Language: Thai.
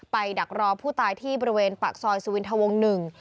ไปดักรอผู้ตายที่บริเวณปากซอยสุวินทวง๑